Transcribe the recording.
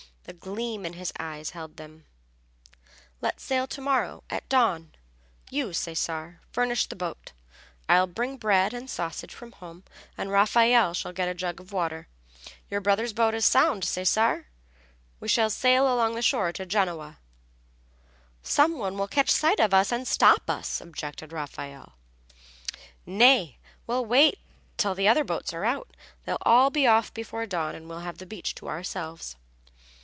The gleam in his eyes held them. "Let's sail to morrow at dawn! You, Cesare, furnish the boat, I'll bring bread and sausage from home, and Raffaelle shall get a jug of water. Your brother's boat is sound, Cesare? We'll sail along the shore to Genoa!" "Some one will catch sight of us and stop us," objected Raffaelle. "Nay, we'll wait till the other boats are out. They'll all be off before dawn and we'll have the beach to ourselves."